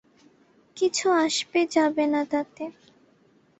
কিছু আসবে যাবে না তাতে।